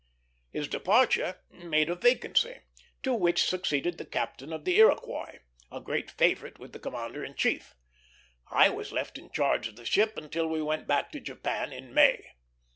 His departure made a vacancy, to which succeeded the captain of the Iroquois, a great favorite with the commander in chief. I was left in charge of the ship until we went back to Japan in May.